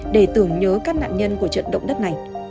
để tưởng nhớ các nạn nhân của trận động đất này